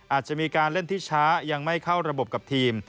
อาจจะมีการเล่นที่ช้ายังไม่เข้าระบบกับทีม